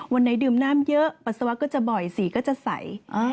วันไหนดื่มน้ำเยอะปัสสาวะก็จะบ่อยสีก็จะใส